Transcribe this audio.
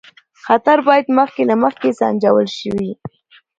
خطر باید مخکې له مخکې سنجول شي.